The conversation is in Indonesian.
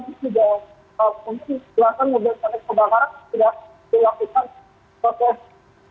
dari pantauan tempat tempat kita kita sudah melihat kelaj agak padang